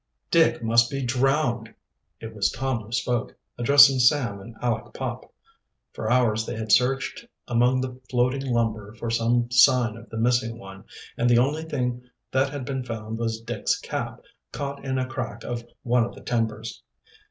"Dick must be drowned." It was Tom who spoke, addressing Sam and Aleck Pop. For hours they had searched among the floating lumber for some sign of the missing one, and the only thing that had been found was Dick's cap, caught in a crack of one of the timbers.